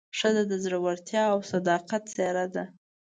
ښځه د زړورتیا او صداقت څېره ده.